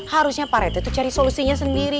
harusnya pak red itu cari solusinya sendiri